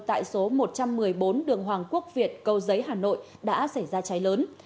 tại số một trăm một mươi bốn đường hoàng quốc việt cầu giấy hà nội đã xảy ra cháy lớn